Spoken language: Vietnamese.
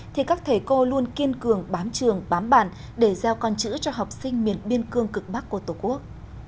thì các thầy cô luôn kiên cường bám trường bám bàn để gieo con chữ cho học sinh miền biên cương cực bắc của tổ quốc